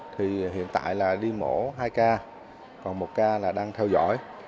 thì hiện tại là đi mổ hai ca còn một ca là đang theo dõi